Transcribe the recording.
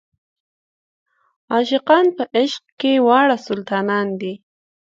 عاشقان په عشق کې واړه سلطانان دي.